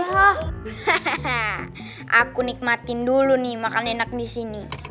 hahaha aku nikmatin dulu nih makan enak disini